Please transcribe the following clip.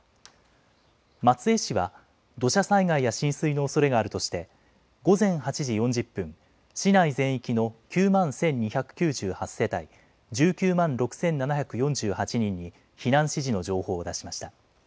松江市は土砂災害や浸水のおそれがあるとして午前８時４０分、市内全域の９万１２９８世帯１９万６７４８人に避難指示の情報を出しました。